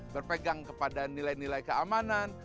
berpegang kepada nilai nilai keamanan